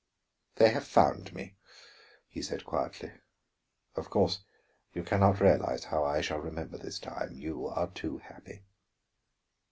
"They have found me," he said quietly. "Of course you can not realize how I shall remember this time; you are too happy."